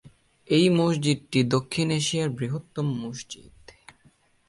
এই মসজিদটি দক্ষিণ এশিয়ার বৃহত্তম মসজিদ।